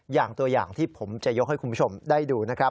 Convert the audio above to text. อย่างตัวอย่างที่ผมจะยกให้คุณผู้ชมได้ดูนะครับ